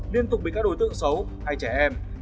liên tục bị các đối tượng xấu hay trẻ em